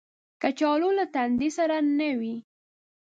کچالو له تندې سره نه وي